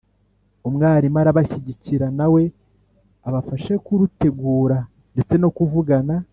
umwarimu arabashyigikira na we abafashe kurutegura ndetse no kuvugana